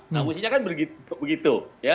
nah mestinya kan begitu